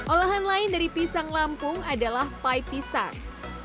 olahan lain dari pisang lampung adalah pie pisang